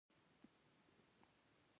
غړي یې استادان او رییسان دي.